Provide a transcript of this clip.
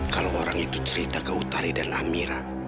kalau orang itu cerita ke utari dan amira